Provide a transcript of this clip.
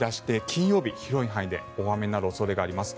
金曜日、広い範囲で大雨になる恐れがあります。